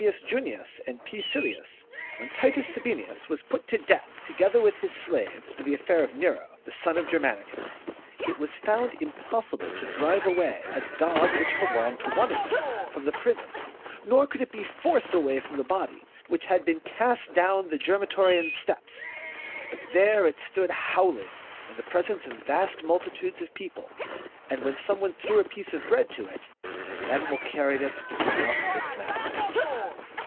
He was put to death in prison. 314 PLINY'S NATURAL HISTORY. [Book VIII. 1 death, together with his slaves, for the affair of Nero, the son of Germanicus, it was found impossible to drive away a dog which belonged to one of them from the prison ; nor could it be forced away from the body, which had been cast down the Gemitorian steps ;^* but there it stood howling, in the presence of vast multitudes of people ; and when some one threw a piece of bread to it, the animal carried it to the mouth of its master.